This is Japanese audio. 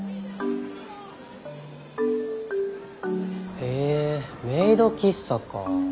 へえメイド喫茶か。